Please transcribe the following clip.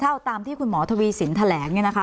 เอาตามที่คุณหมอทวีสินแถลงเนี่ยนะคะ